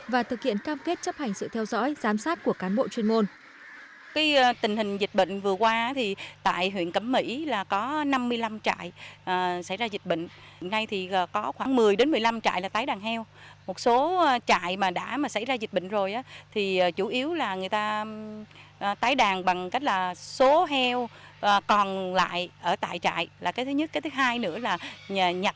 và thực hiện cam kết chấp hành sự theo dõi giám sát của cán bộ chuyên môn